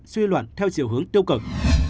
suy luận theo chiều hướng tiêu cực